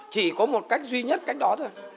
chỉ có một cách duy nhất cách đó thôi